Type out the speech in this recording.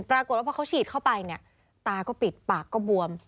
ปรากฏว่าพอเขาฉีดเข้าไปเนี่ยตาก็ปิดปากก็บวม